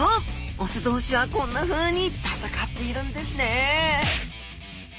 雄同士はこんなふうに戦っているんですね